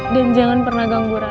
dan jangan pernah ganggu rara lagi